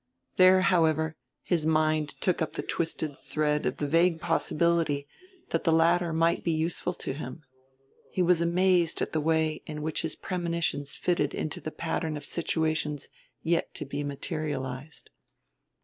There, however, his mind took up the twisted thread of the vague possibility that the latter might be useful to him: he was amazed at the way in which his premonitions fitted into the pattern of situations yet to be materialized.